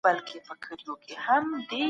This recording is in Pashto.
سياستوال له شته امکاناتو ګټه اخيستلای سي.